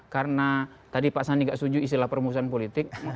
karena tadi pak sandi gak setuju istilah permusuhan politik